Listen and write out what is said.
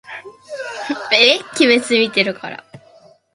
地球は回っているのか、それとも止まっているのか